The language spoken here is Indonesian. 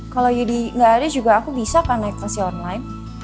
kalo jodidah gak ada juga aku bisa kan naik taxi online